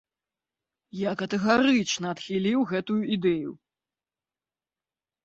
Я катэгарычна адхіліў гэтую ідэю.